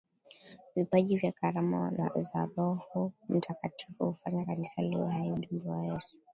vipaji na karama za Roho Mtakatifu hufanya Kanisa liwe hai Ujumbe wa Yesu